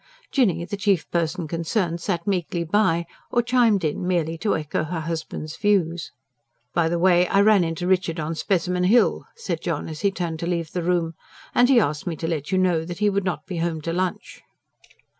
Jinny, the chief person concerned, sat meekly by, or chimed in merely to echo her husband's views. "By the way, I ran into Richard on Specimen Hill," said John as he turned to leave the room. "And he asked me to let you know that he would not be home to lunch."